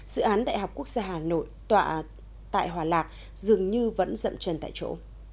dự án đại học quốc gia hà nội tọa tại hòa lạc dường như vẫn rậm chân tại chỗ